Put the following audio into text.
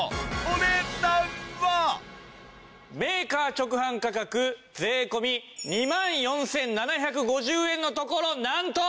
メーカー直販価格税込２万４７５０円のところなんと。